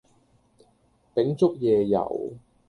秉燭夜遊